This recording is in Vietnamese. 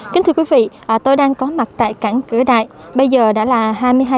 kính thưa quý vị tôi đang có mặt tại cảng cửa đại bây giờ đã là hai mươi hai